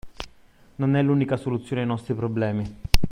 Non è l'unica soluzione ai nostri problemi.